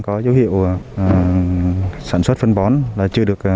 có dấu hiệu sản xuất phân bón là chưa được